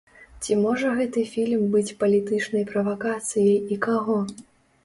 Ці можа гэты фільм быць палітычнай правакацыяй і каго?